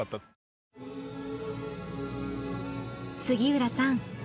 杉浦さん